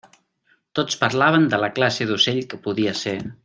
Tots parlaven de la classe d'ocell que podia ser.